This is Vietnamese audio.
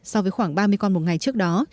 so với khoảng ba mươi con một ngày trước đó